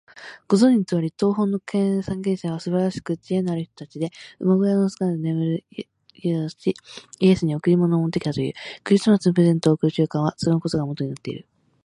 ご存じのとおり、東方の三賢者はすばらしく知恵のある人たちで、馬小屋の桶で眠る幼子イエスに贈り物を持ってきたという。クリスマスにプレゼントを贈る習慣は、そのことがもとになっている。